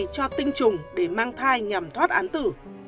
cho tinh trùng để mang thai nhằm thoát án tử